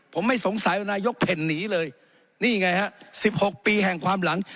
ผมไม่สงสัยว่านายกเพ่นหนีเลยนี่ไงฮะสิบหกปีแห่งความหลัง